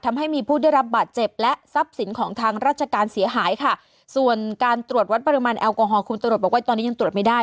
ทำให้มีผู้ได้รับบาดเจ็บและทรัพย์สินของทางราชการเสียหายค่ะส่วนการตรวจวัดปริมาณแอลกอฮอลคุณตำรวจบอกว่าตอนนี้ยังตรวจไม่ได้